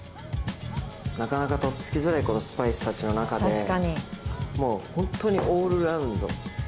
なかなか、とっつきづらいこのスパイスたちの中でもう本当にオールラウンド